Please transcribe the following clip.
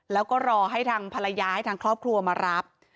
แล้วก็รอให้ทางภรรยาให้ทางครอบครัวมารับ